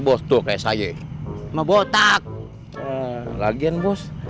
bos tuh kayak saya mah botak lagian bos